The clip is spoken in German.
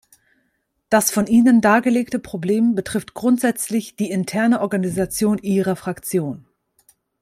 Das von Ihnen dargelegte Problem betrifft grundsätzlich die interne Organisation Ihrer Fraktion.